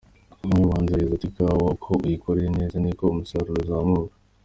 Umwe mu bahinzi yagize ati “ Ikawa uko uyikoreye neza niko umusaruro uzamuka,.